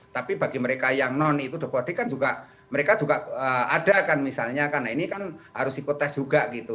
tapi bagi mereka yang non itu the boarding kan juga mereka juga ada kan misalnya karena ini kan harus ikut tes juga gitu